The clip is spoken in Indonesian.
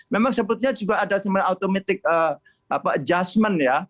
memang sebetulnya juga ada sebenarnya automatic adjustment ya